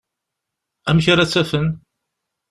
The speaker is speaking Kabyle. Amek ara tt-afen?